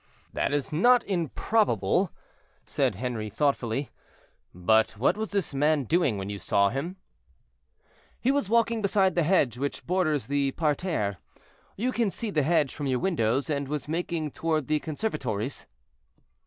"That is not improbable," said Henri, thoughtfully; "but what was this man doing when you saw him?" "He was walking beside the hedge which borders the parterre—you can see the hedge from your windows—and was making toward the conservatories."